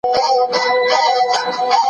ګډ کار اړیکې قوي کوي.